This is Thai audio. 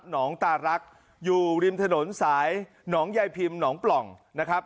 หนองตาลักษณ์อยู่ริมถนนสายหนองไยพิมหนองปล่องนะครับ